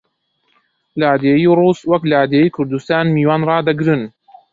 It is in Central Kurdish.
لادێی ڕووس وەک لادێی کوردستان میوان ڕادەگرن